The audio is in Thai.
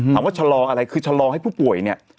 ชะลออะไรคือชะลอให้ผู้ป่วยเนี่ย